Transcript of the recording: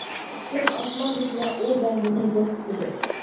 پۈتۈن ئاسماندىكىلەر ئۇ بەندىنى دوست تۇتىدۇ.